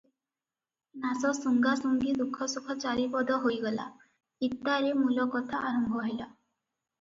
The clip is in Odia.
ନାସ ଶୁଙ୍ଗାଶୁଙ୍ଗି ଦୁଃଖ ସୁଖ ଚାରି ପଦ ହୋଇଗଲା ଇତ୍ତାରେ ମୂଳକଥା ଆରମ୍ଭ ହେଲା ।